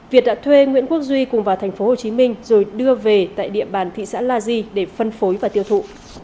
việt đã thuê nguyễn quốc duy cùng vào thành phố hồ chí minh rồi đưa về tại địa bàn thị xã la di để phân phối và tiêu thụ